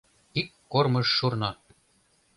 Ик кормыж шурно!